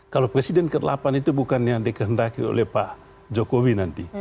kalau presiden ke delapan itu bukan yang dikehendaki oleh pak jokowi nanti